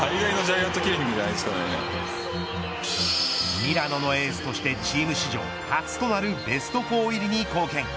ミラノのエースとしてチーム史上初となるベスト４入りに貢献。